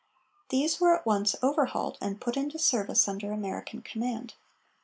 These were at once overhauled and put into service under American command.